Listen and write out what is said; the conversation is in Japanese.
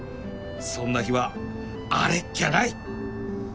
そんな日はあれっきゃない